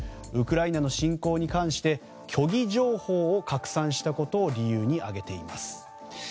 ウクライナの侵攻に関して虚偽情報を拡散したことを理由に挙げています。